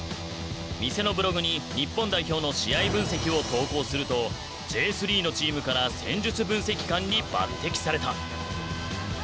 店のブログに日本代表の試合分析を投稿するとＪ３のチームから戦術分析官に抜てきされた。